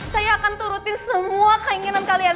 saya akan turutin semua keinginan kalian